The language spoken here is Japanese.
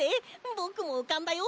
ぼくもうかんだよ！